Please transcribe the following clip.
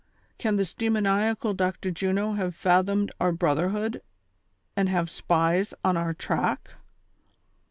Can this demoniacal Dr. Juno have fatlionaed our brotherhood, and have spies on our track